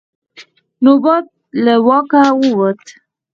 نوبت له واکه ووت.